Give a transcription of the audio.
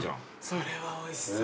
それはおいしそう。